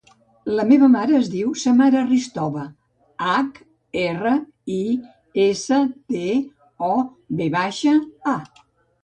La meva mare es diu Samara Hristova: hac, erra, i, essa, te, o, ve baixa, a.